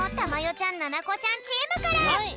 ちゃんななこちゃんチームから！